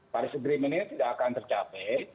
paris agreement ini tidak akan tercapai